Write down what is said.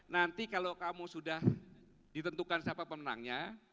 nanti kalau kamu sudah ditentukan siapa pemenangnya